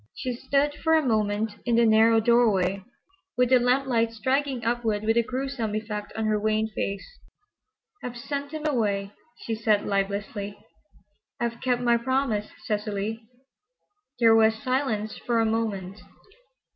She stood for a moment in the narrow doorway, with the lamplight striking upward with a gruesome effect on her wan face. "I've sent him away," she said lifelessly. "I've kept my promise, Cecily." There was silence for a moment.